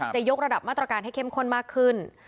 จะยกระดับมาตรการให้เข้มข้นมากขึ้น